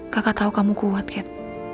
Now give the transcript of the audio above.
kakak tahu kamu kuat kat